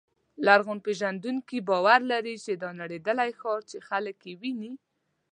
لرغونپېژندونکي باور لري چې دا نړېدلی ښار چې خلک یې ویني.